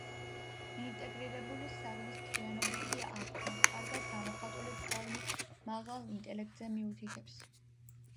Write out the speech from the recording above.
ინტეგრირებული, საგნის მთლიანობითი აღქმა კარგად გამოხატული ფორმით მაღალ ინტელექტზე მიუთითებს.